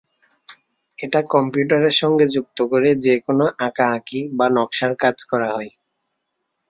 এটা কম্পিউটারের সঙ্গে যুক্ত করে যেকোনো আঁকাআঁকি বা নকশার কাজ করা হয়।